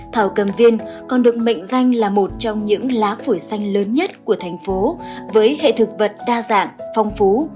thảo cầm viên còn được mệnh danh là một trong những lá phổi xanh lớn nhất của thành phố với hệ thực vật đa dạng phong phú